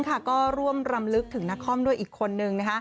ก็ร่วมรำลึกถึงนักคอมด้วยอีกคนนึง